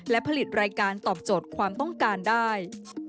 และผลิตรายการตอบโจทย์ความต้องการได้